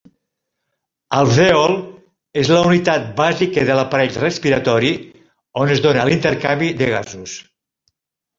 Alvèol és la unitat bàsica de l'aparell respiratori, on es dóna l'intercanvi de gasos.